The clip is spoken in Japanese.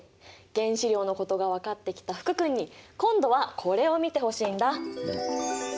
原子量のことが分かってきた福君に今度はこれを見てほしいんだ。